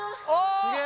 すげえ！